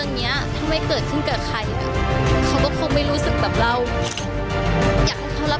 ตอนนี้ว่าเมื่อนึงนี้ป้าก็ว่าเยอะแล้วนะ